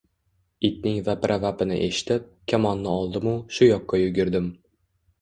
– Itning vapira-vapini eshitib, kamonni oldim-u, shu yoqqa yugurdim